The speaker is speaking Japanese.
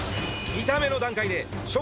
見た目の段階でしょ